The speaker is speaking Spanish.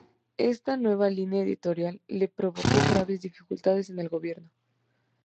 Esta nueva línea editorial le provocó graves dificultades con el Gobierno.